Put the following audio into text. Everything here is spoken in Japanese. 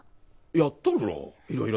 やっとるろいろいろと。